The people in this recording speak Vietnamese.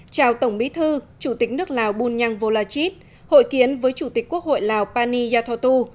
chào tổng bí thư chủ tịch nước lào bunyang volachit hội kiến với chủ tịch quốc hội lào pani yathotu